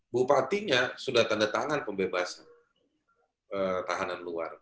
bupatinya sudah tanda tangan pembebasan tahanan luar